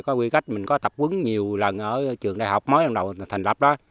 có quy cách mình có tập quấn nhiều lần ở trường đại học mới lần đầu thành lập đó